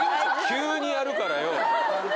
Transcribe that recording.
急にやるからよ。